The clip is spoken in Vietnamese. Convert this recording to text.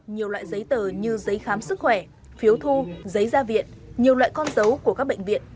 nhiều loại giấy tờ như giấy khám sức khỏe phiếu thu giấy gia viện nhiều loại con dấu của các bệnh viện